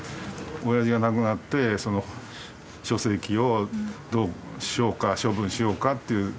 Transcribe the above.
親父が亡くなって書籍をどうしようか処分しようかっていう。